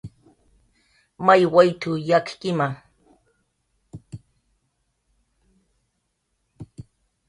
"May wayt""w yakkima "